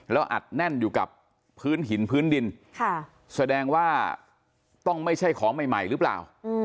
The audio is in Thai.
แล้วอัดแน่นอยู่กับพื้นหินพื้นดินแสดงว่าต้องไม่ใช่ของใหม่หรือเปล่า